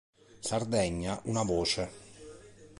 Sardegna, una voce".